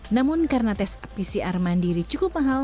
namun karena tes pcr mandiri cukup mahal